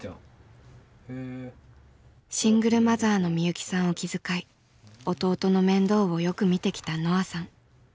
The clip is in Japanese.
シングルマザーのみゆきさんを気遣い弟の面倒をよく見てきたのあさん。